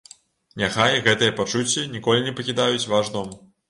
Няхай гэтыя пачуцці ніколі не пакідаюць ваш дом.